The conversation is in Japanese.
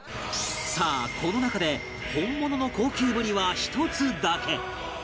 さあこの中で本物の高級ブリは１つだけ